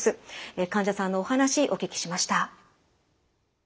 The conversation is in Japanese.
患者さんのお話お聞きしました。